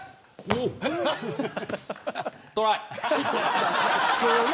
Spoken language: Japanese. トライ。